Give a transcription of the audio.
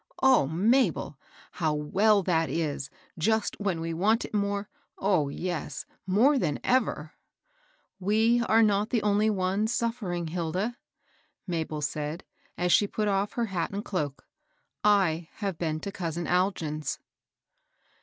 "O Mabel ! how well that IS, just when we want it more — oh, yes, more than ever !"" We are not the only ones suflFering, Hilda," Mabel said, as she put off her hat and cloak. ^^ I have been to cousin Algin's."